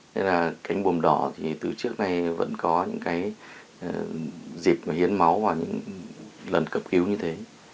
nên là cánh bùm đỏ thì từ trước nay vẫn có những cái dịp hiến máu và những lần cập cứu như thế